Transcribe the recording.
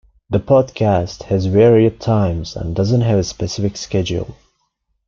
The podcast has varied times and doesn't have a specific schedule.